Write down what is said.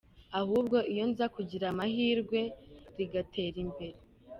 Ahubwo iyo nza kugira amahirwe rigatera imbere.